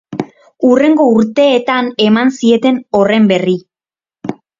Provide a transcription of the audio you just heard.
Hurrengo urteetan eman zieten horren berri.